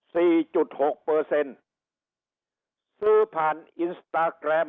จุดหกเปอร์เซ็นต์ซื้อผ่านอินสตาแกรม